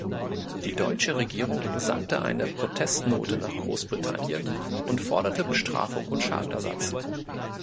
Die deutsche Regierung sandte eine Protestnote nach Großbritannien und forderte Bestrafung und Schadenersatz.